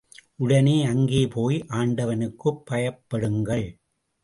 உடனே அங்கே போய் ஆண்டவனுக்குப் பயப்படுங்கள்.